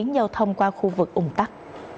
giao thông qua khu vực ùng tắc